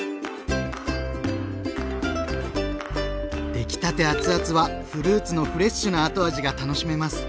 出来たて熱々はフルーツのフレッシュな後味が楽しめます。